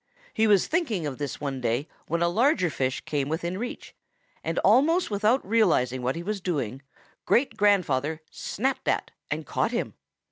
He was thinking of this one day when a larger fish came within reach, and almost without realizing what he was doing Great grandfather snapped at and caught him.